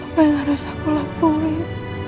apa yang harus aku lakuin